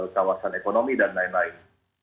kawasan ekonomi dan lain lain